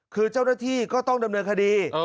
คือเจ้าหน้าที่ก็ต้องดำเนินคดี